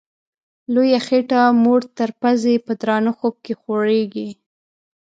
لویه خېټه موړ تر پزي په درانه خوب کي خوریږي